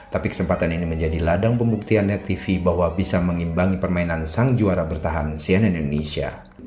tapi kesempatan ini menjadi ladang pembuktian net tv bahwa bisa mengimbangi permainan sang juara bertahan cnn indonesia